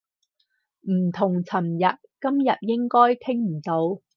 唔同尋日，今日應該傾唔到